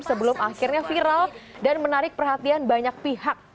sebelum akhirnya viral dan menarik perhatian banyak pihak